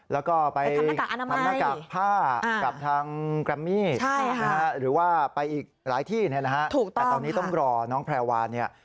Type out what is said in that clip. แล้วก็ไปทำหน้ากากผ้ากับทางแกรมมี่หรือว่าไปอีกหลายที่เนี่ยนะฮะแต่ตอนนี้ต้องรอน้องแพรวานเนี่ย